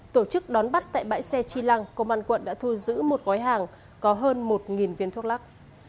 tổ chức đón bắt tại bãi xe chi lăng công an quận đã thu giữ một gói hàng có hơn một viên thuốc lắc